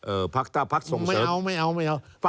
พักต้าพักส่งไม่เอาไม่เอาไม่เอา